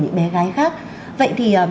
những bé gái khác vậy thì